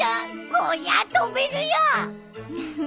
こりゃあ飛べるよ！